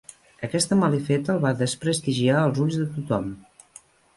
Aquesta malifeta el va desprestigiar als ulls de tothom.